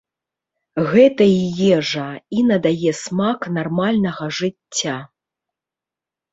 Гэта і ежа, і надае смак нармальнага жыцця.